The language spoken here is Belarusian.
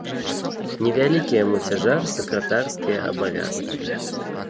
Не вялікі яму цяжар сакратарскія абавязкі.